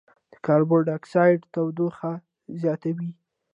د کاربن ډای اکسایډ تودوخه زیاتوي.